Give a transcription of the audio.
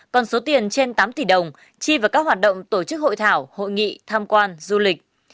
còn số tiền trên tám tỷ đồng chi vào các hoạt động tổ chức hội thảo hội nghị tham quan du lịch